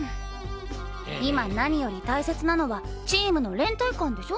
今何より大切なのはチームの連帯感でしょ。